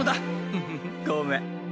フフフごめん。